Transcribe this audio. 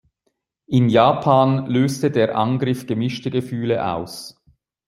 In Japan löste der Angriff gemischte Gefühle aus.